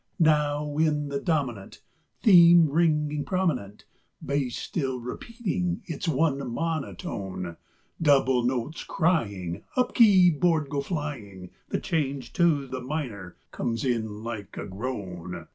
Now in the dominant Theme ringing prominent, Bass still repeating its one monotone, Double notes crying, Up keyboard go flying, The change to the minor comes in like a groan.